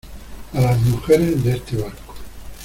a las mujeres de este barco.